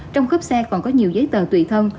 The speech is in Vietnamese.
trong khớp xe còn có nhiều giấy tờ tùy thân